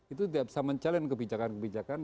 itu tidak bisa menjalin kebijakan kebijakan